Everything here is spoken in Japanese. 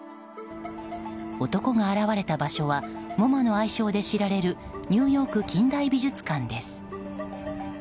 男が現れた場所はＭｏＭＡの愛称で知られるニューヨーク近代美術館です。